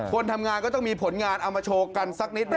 คนทำงานก็ต้องมีผลงานเอามาโชว์กันสักนิดนึ